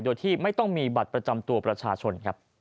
โดยที่ไม่ต้องมีบัตรประจำตัวประชาชนครับ